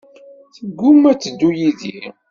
Teggumma ad teddu yid-i.